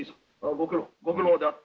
ご苦労ご苦労であった。